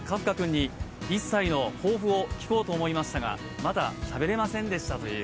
１歳の抱負を聞こうと思いましたが、まだしゃべれませんでした。